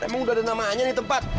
emang udah ada namanya nih tempat